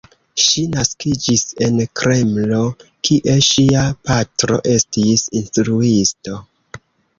Ŝi naskiĝis en Kremlo, kie ŝia patro estis instruisto.